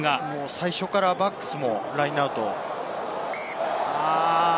最初からバックスもラインアウト。